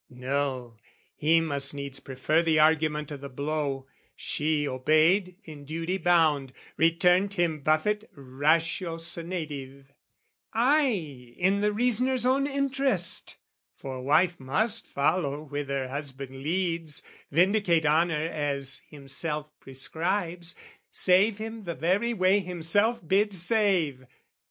No, he must needs prefer the argument O' the blow: and she obeyed, in duty bound, Returned him buffet ratiocinative Ay, in the reasoner's own interest, For wife must follow whither husband leads, Vindicate honour as himself prescribes, Save him the very way himself bids save!